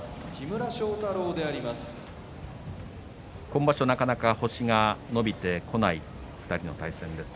今場所なかなか星が伸びてこない２人の対戦です。